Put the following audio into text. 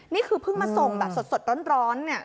นี่คือเพิ่งมาส่งแบบสดร้อนเนี่ย